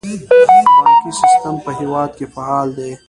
بانکي سیستم په هیواد کې فعال دی